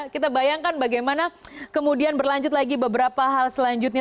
kita bayangkan bagaimana kemudian berlanjut lagi beberapa hal selanjutnya